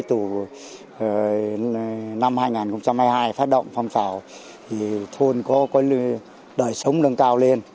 từ năm hai nghìn hai mươi hai phát động phong trào thì thôn có đời sống nâng cao lên